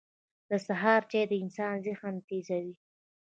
• د سهار چای د انسان ذهن تیزوي.